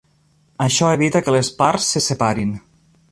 Això evita que les parts se separin.